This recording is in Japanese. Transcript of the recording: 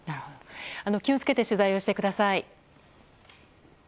気を付けて取材をしてください。